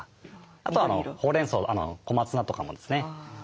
あとほうれんそう小松菜とかもですね。